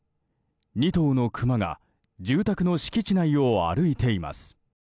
２頭のクマが住宅の敷地内を歩いています。